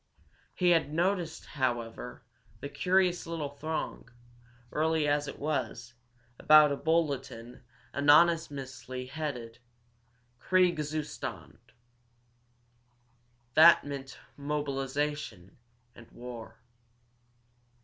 He had noticed, however, the curious little throng, early as it was, about a bulletin ominously headed, "Kriegzustand!" That meant mobilization and war.